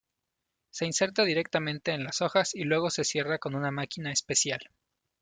Se inserta directamente en las hojas y luego se cierra con una máquina especial.